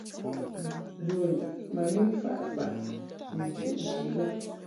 Bun ma ni mfaʼ faʼ ni nchuʼ ji bə.